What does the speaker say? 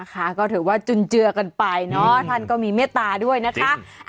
ก็ถือว่าจุนเจือกันไปเนอะท่านก็มีเมตตาด้วยนะคะ